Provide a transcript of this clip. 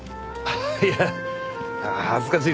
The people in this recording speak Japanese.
いや恥ずかしいっすね。